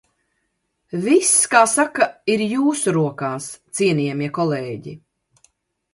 Viss, kā saka, ir jūsu rokās, cienījamie kolēģi!